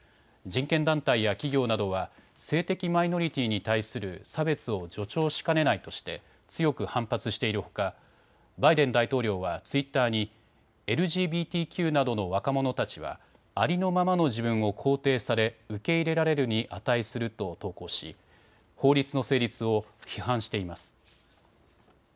人権団体や企業などは性的マイノリティーに対する差別を助長しかねないとして強く反発しているほかバイデン大統領はツイッターにＬＧＢＴＱなどの若者たちはありのままの自分を肯定され受け入れられるに値すると投稿し法律の成立を批判しています。